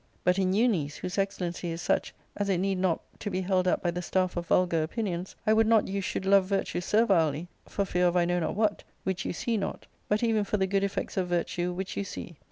But in you, niece, whose excellency is such as it ^ need not to be held up by the staff of vulgar opinions, I would (not you should love virtue servilely, for fear of I know not what, which you see not, but even for the good effects of virtue which you see.